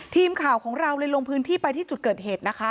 ทีมข่าวของเราเลยลงพื้นที่ไปที่จุดเกิดเหตุนะคะ